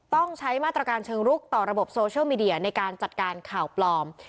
ต้องใช้มาตรการเชิงรุกต่อระบบโซเชียลมีเดียในการจัดการข่าวปลอม